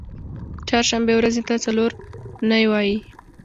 چهارشنبې ورځی ته څلور نۍ وایی